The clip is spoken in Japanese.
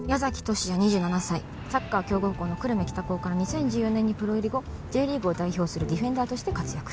十志也２７歳サッカー強豪校の久留米北高から２０１４年にプロ入り後Ｊリーグを代表するディフェンダーとして活躍